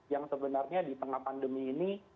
yang sebenarnya di tengah pandemi ini